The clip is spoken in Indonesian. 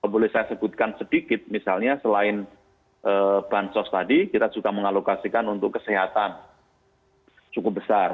boleh saya sebutkan sedikit misalnya selain bansos tadi kita juga mengalokasikan untuk kesehatan cukup besar